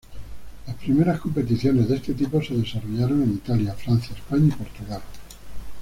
Las primeras competiciones de este tipo se desarrollaron en Italia, Francia, España, y Portugal.